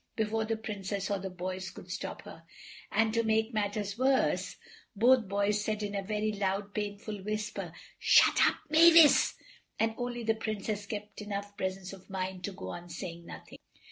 before the Princess or the boys could stop her. And to make matters worse, both boys said in a very loud, plain whisper, "Shut up, Mavis," and only the Princess kept enough presence of mind to go on saying nothing.